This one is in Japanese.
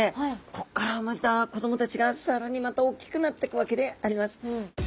ここから生まれた子供たちが更にまた大きくなっていくわけであります。